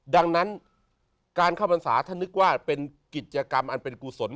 ดังนั้นการเข้าพรรษาถ้านึกว่าเป็นกิจกรรมอันเป็นกุศล